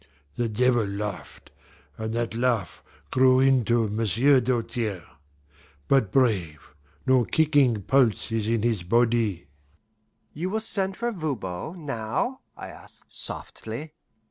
The devil laughed, and that laugh grew into M'sieu' Doltaire. But brave! no kicking pulse is in his body." "You will send for Voban now?" I asked softly.